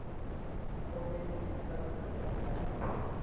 Kombenu mu chipathulo chamukachi.